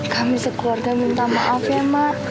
kami sekeluarga minta maaf ya mak